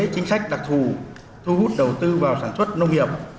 chính sách đặc thù thu hút đầu tư vào sản xuất nông nghiệp